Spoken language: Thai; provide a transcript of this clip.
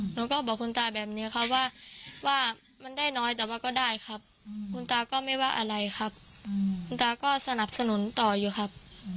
หนูก็บอกคุณตาแบบนี้ครับว่ามันได้น้อยแต่ว่าก็ได้ครับคุณตาก็ไม่ว่าอะไรครับคุณตาก็สนับสนุนต่ออยู่ครับ